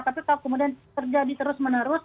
tapi kalau kemudian terjadi terus menerus